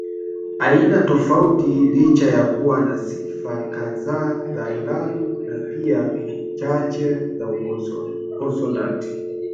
aina tofauti licha ya kuwa na sifa kadhaa za irabu na pia chache za ukonsonanti